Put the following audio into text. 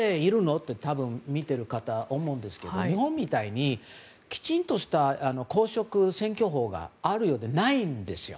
って多分、見ている方思うんですけど日本みたいにきちんとした公職選挙法があるようでないんです。